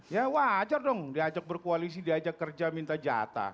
ya wajar dong diajak berkoalisi diajak kerja minta jatah